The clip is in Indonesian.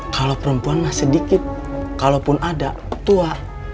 kalau perempuan mah sedikit kalaupun ada tua